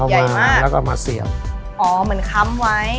ใหญ่มากแล้วก็มาเสี่ยงอ๋อเหมือนค้ำไว้